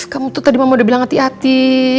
kamu tuh tadi mama udah bilang hati hati